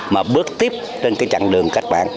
mà bước tiếp trên trạng đường các bạn